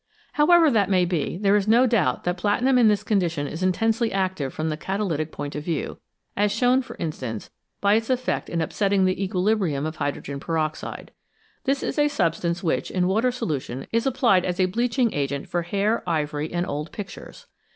However that may be, there is no doubt that platinum in this condition is intensely active from the catalytic point of view, as shown, for instance, by its effect in upsetting the equilibrium of hydrogen peroxide. This is a substance which, in water solution, is applied as a bleaching agent for hair, ivory, and old pictures.